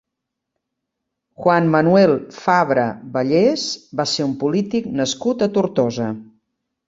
Juan Manuel Fabra Vallés va ser un polític nascut a Tortosa.